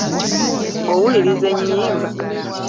Owuliriza ennyimba?